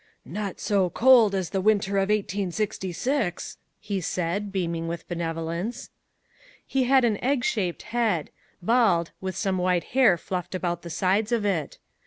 "Not so cold as the winter of 1866," he said, beaming with benevolence. He had an egg shaped head, bald, with some white hair fluffed about the sides of it.